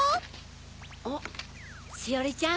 あっしおりちゃん。